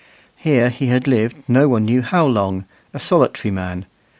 Here he had lived no one knew how long, a solitary man.